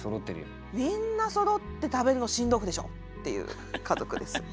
みんなそろって食べるの新豆腐でしょっていう家族です。